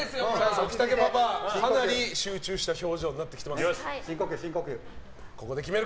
置田家パパかなり集中した表情になってきている。